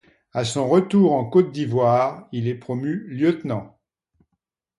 À son retour en Côte d'Ivoire, il est promu lieutenant.